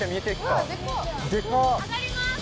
上がります。